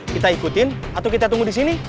kita ikutin atau kita tunggu di sini